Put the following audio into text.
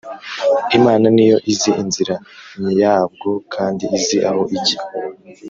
Imana ni yo izi inzira yabwo kandi izi aho ijya